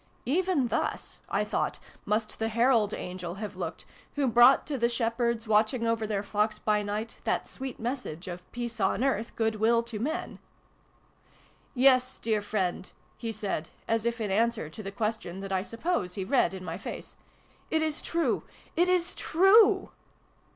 "Even thus," I thought, " must the herald angel have looked, who brought to the shepherds, watching over their flocks by night, that sweet message of ' peace on earth, good will to men' /"" Yes, dear friend !" he said, as if in answer to the question that I suppose he read in my face. " It is true ! It is true